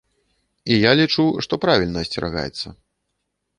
І я лічу, што правільна асцерагаецца.